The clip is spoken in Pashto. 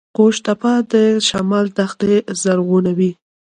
قوش تیپه د شمال دښتې زرغونوي